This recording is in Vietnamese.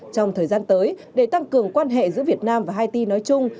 trong thời gian tới để tăng cường quan hệ giữa việt nam và haiti nói chung